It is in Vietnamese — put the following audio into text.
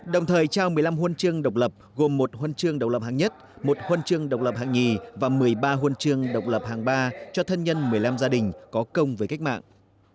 đồng thời trao một mươi năm huân chương độc lập gồm một huân chương độc lập hàng nhất một huân chương độc lập hạng nhì và một mươi ba huân chương độc lập hàng ba cho thân nhân một mươi năm gia đình có công với cách mạng